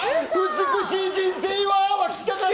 美しい人生はが聴きたかった！